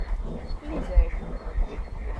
Lizeika.